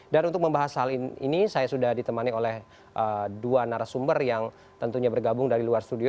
dan untuk membahas hal ini saya sudah ditemani oleh dua narasumber yang tentunya bergabung dari luar studio